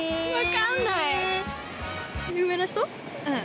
うん。